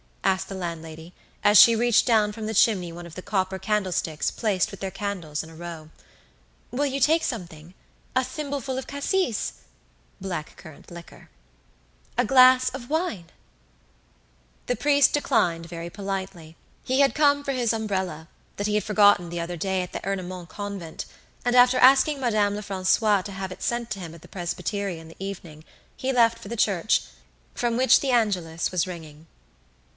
asked the landlady, as she reached down from the chimney one of the copper candlesticks placed with their candles in a row. "Will you take something? A thimbleful of Cassis? A glass of wine?" Black currant liqueur. The priest declined very politely. He had come for his umbrella, that he had forgotten the other day at the Ernemont convent, and after asking Madame Lefrancois to have it sent to him at the presbytery in the evening, he left for the church, from which the Angelus was ringing.